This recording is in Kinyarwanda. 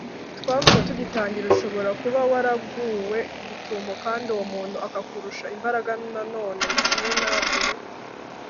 twavuze tugitangira ushobora kuba waraguwe gitumo kandi uwo muntu akakurusha imbaraga Nanone kimwe na mbere